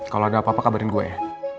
kalau ada apa apa kabarin gue ya